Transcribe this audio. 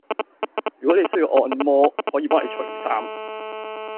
如果你需要按摩，可以幫你除衫